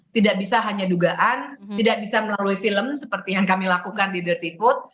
tidak bisa hanya dugaan tidak bisa melalui film seperti yang kami lakukan di derty coat